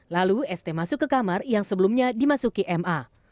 lalu st masuk ke kamar yang sebelumnya dimasuki ma